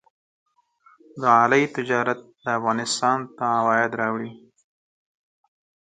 د غالۍ تجارت افغانستان ته عواید راوړي.